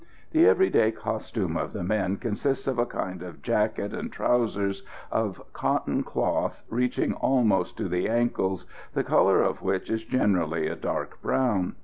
The everyday costume of the men consists of a kind of jacket and trousers of cotton cloth reaching almost to the ankles, the colour of which is generally a dark brown.